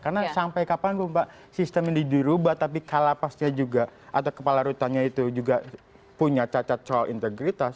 karena sampai kapan pak sistem ini dirubah tapi kalapasnya juga atau kepala rutan itu juga punya cacat soal integritas